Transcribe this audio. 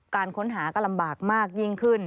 การค้นหาก็ลำบากมากยิ่งขึ้น